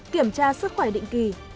kiểm tra sức khỏe định kỳ